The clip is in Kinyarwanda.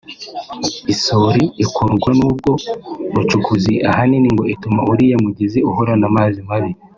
isuri ikururwa n’ubwo bucukuzi ahanini ngo ituma uriya mugezi uhorana amazi mabi